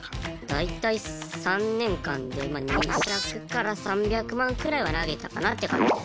大体３年間で２００から３００万くらいは投げたかなって感じです。